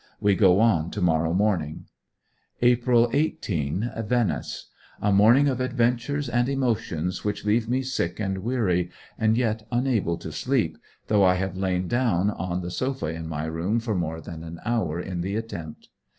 We go on to morrow morning. April 18. Venice. A morning of adventures and emotions which leave me sick and weary, and yet unable to sleep, though I have lain down on the sofa of my room for more than an hour in the attempt.